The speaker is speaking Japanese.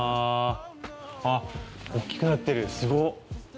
あっ大っきくなってるすごっ！